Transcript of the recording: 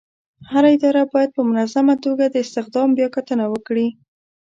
هره اداره باید په منظمه توګه د استخدام بیاکتنه وکړي.